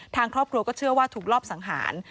ทางครอบครัวก็เชื่อว่าถูกรอบสังหาร